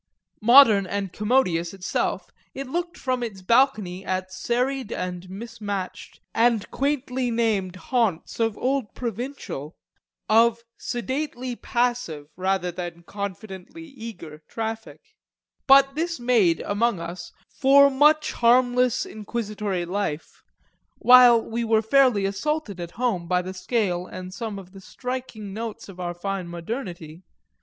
Modern and commodious itself, it looked from its balcony at serried and mismatched and quaintly named haunts of old provincial, of sedately passive rather than confidently eager, traffic; but this made, among us, for much harmless inquisitory life while we were fairly assaulted, at home, by the scale and some of the striking notes of our fine modernity.